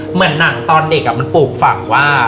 เหมือนหนังตอนเด็กมันปลูกฝังว่า